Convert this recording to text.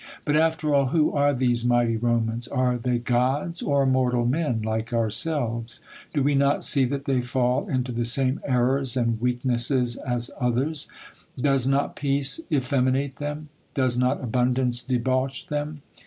But, after all, who are these mighty Romans ? Are they gods ; or mortal men, like ourselves ? Do we not see that they fall into the same errors and weak nesses, as others ? Does not peace efteminate them ? Does not abundance debauch them